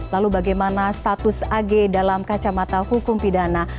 lalu bagaimana status ag dalam kacamata hukum pidana